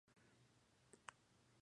Sahuayo- Jiquilpan.